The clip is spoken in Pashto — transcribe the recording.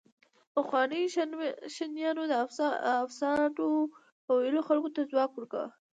پخوانيو شمنیانو د افسانو په ویلو خلکو ته ځواک ورکاوه.